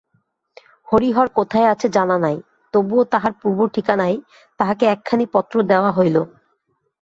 হরিহর কোথায় আছে জানা নাই-তবুও তাহার পূর্ব ঠিকানায় তাহাকে একখানি পত্র দেওয়া হইল।